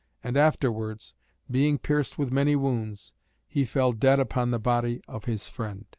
And afterwards, being pierced with many wounds, he fell dead upon the body of his friend.